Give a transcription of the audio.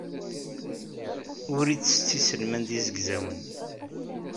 Ur ittett iselman d izegzawen.